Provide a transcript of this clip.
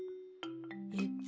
えっ？